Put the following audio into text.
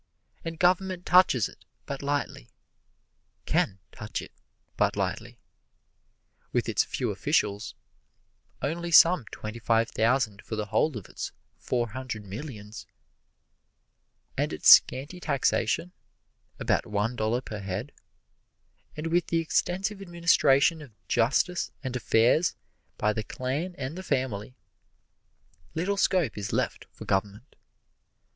And Government touches it but lightly can touch it but lightly. With its few officials (only some twenty five thousand for the whole of its four hundred millions), and its scanty taxation (about one dollar per head), and with the extensive administration of justice and affairs by the clan and the family little scope is left for government.